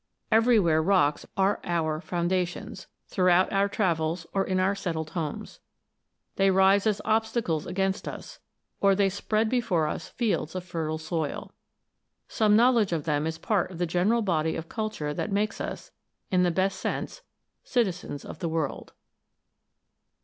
Everywhere rocks are our foundations, throughout our travels or in our settled homes. They rise as obstacles against us, or they spread before us fields of fertile soil. Some knowledge of them is part of the general body of culture that makes us, in the best sense, citizens of the world.